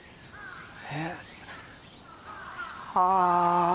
えっああ。